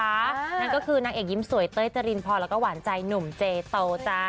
นั่นก็คือนางเอกยิ้มสวยเต้ยจรินพรแล้วก็หวานใจหนุ่มเจโตจ้า